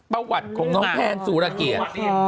ประวัติของน้องแพนสุรเกียรติ